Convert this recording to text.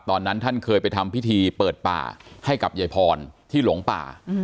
ท่านเคยไปทำพิธีเปิดป่าให้กับยายพรที่หลงป่า